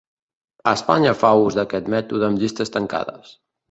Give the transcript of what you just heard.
Espanya fa ús d'aquest mètode amb llistes tancades.